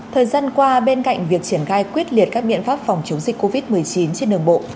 thời gian qua bên cạnh việc triển khai quyết liệt các biện pháp phòng chống dịch covid một mươi chín trên đường bộ